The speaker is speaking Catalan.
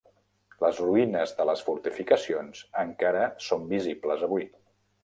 Les ruïnes de les fortificacions encara són visibles avui.